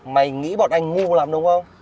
mày nghĩ bọn anh ngu lắm đúng không